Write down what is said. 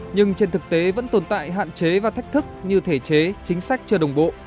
nhưng trên thực tế vẫn tồn tại hạn chế và thách thức như thể chế chính sách chưa đồng bộ